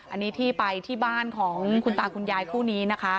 อันนี้ที่ไปที่บ้านของคุณตาคุณยายคู่นี้นะคะ